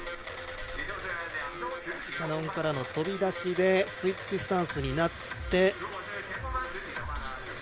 キャノンからの飛び出しでスイッチスタンスになって。